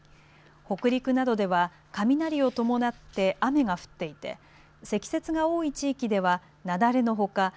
北陸などでは雷を伴って雨が降っていて積雪が多い地域では雪崩のほか